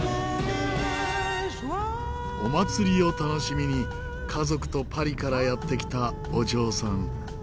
お祭りを楽しみに家族とパリからやって来たお嬢さん。